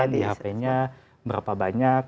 di hp nya berapa banyak